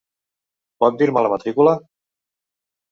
Pot dir-me la matrícula?